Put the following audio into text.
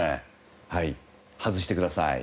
はい外してください。